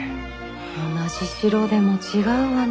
同じ白でも違うわね。